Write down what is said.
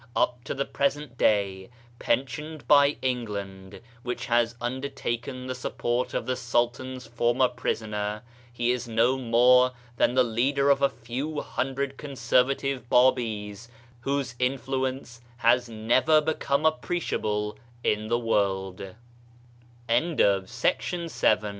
Up to the present day, pensioned by England, which has undertaken the support of the Sultan's former prisoner, he is no more than the leader of a few hundred conservative Babis whose influence has never become appreciable i